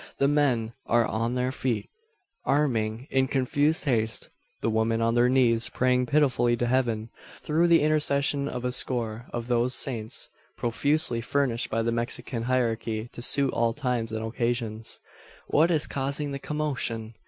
The men are on their feet arming in confused haste; the woman on their knees, praying pitifully to heaven through the intercession of a score of those saints, profusely furnished by the Mexican hierarchy to suit all times and occasions. "What is causing the commotion?"